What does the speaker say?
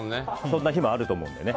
そんな日もあると思うのでね。